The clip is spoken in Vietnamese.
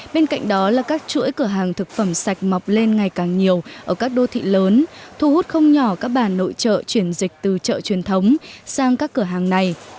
bên cạnh đó là các chuỗi cửa hàng thực phẩm sạch mọc lên ngày càng nhiều ở các đô thị lớn thu hút không nhỏ các bản nội trợ chuyển dịch từ chợ truyền thống sang các cửa hàng này